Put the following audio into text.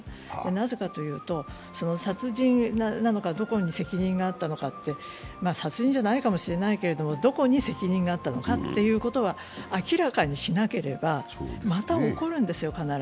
なぜかというと、殺人なのかどこに責任があったのかって、殺人じゃないかもしれないけど、どこに責任があったのかを明らかにしなければ、また起こるんですよ。